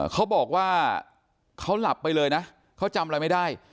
เขาบอกว่าเขาหลับไปเลยนะเขาจำอะไรไม่ได้